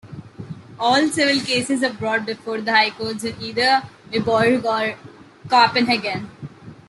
All civil cases are brought before The High Courts in either Viborg or Copenhagen.